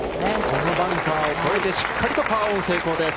そのバンカーを越えてしっかりとパーオン成功です。